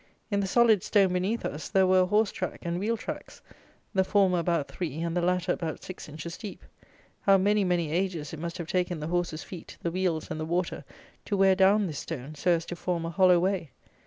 In the solid stone beneath us, there were a horse track and wheel tracks, the former about three and the latter about six inches deep. How many many ages it must have taken the horses' feet, the wheels, and the water, to wear down this stone, so as to form a hollow way!